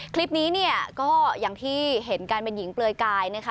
คลิปนี้เนี่ยก็อย่างที่เห็นการเป็นหญิงเปลือยกายนะคะ